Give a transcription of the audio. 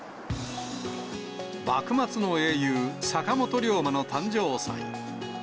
幕末の英雄、坂本龍馬の誕生祭。